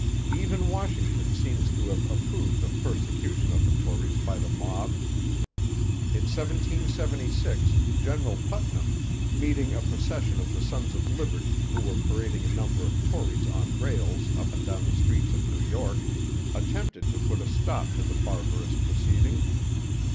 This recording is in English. Even Washington seems to have approved of persecution of the Tories by the mob. In 1776 General Putnam, meeting a procession of the Sons of Liberty who were parading a number of Tories on rails up and down the street's of New York, attempted to put a stop to the barbarous proceeding.